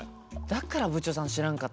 だから部長さん知らんかった。